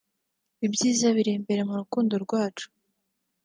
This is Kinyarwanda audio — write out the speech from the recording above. Ibyiza biri imbere mu rukundo rwacu”